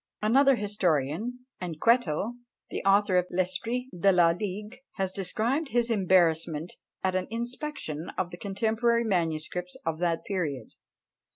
Another historian, Anquetil, the author of L'Esprit de la Ligue, has described his embarrassment at an inspection of the contemporary manuscripts of that period.